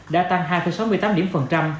đã tăng hai sáu mươi tám điểm phần trăm